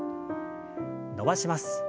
伸ばします。